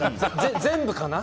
全部かな？